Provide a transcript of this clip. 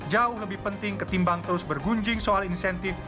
jauh lebih penting ketimbang terus bergunjing soal insentif